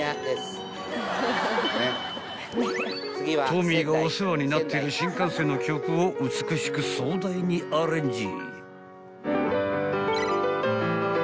［トミーがお世話になってる新幹線の曲を美しく壮大にアレンジ］